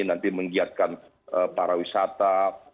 nanti menggiatkan parawiswa